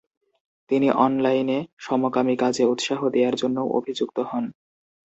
তিনি অনলাইনে সমকামি কাজে উৎসাহ দেয়ার জন্যও অভিযুক্ত হন।